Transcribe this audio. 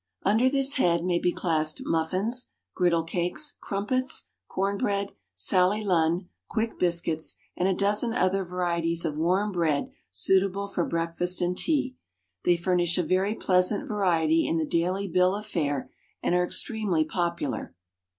UNDER this head may be classed muffins, griddle cakes, crumpets, corn bread, Sally Lunn, quick biscuits, and a dozen other varieties of warm bread suitable for breakfast and tea. They furnish a very pleasant variety in the daily bill of fare, and are extremely popular.